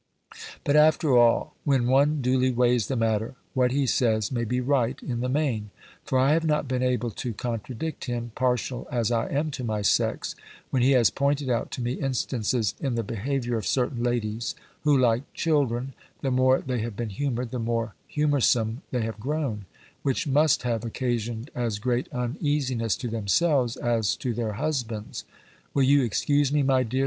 But after all, when one duly weighs the matter, what he says may be right in the main; for I have not been able to contradict him, partial as I am to my sex, when he has pointed out to me instances in the behaviour of certain ladies, who, like children, the more they have been humoured, the more humoursome they have grown; which must have occasioned as great uneasiness to themselves, as to their husbands. Will you excuse me, my dear?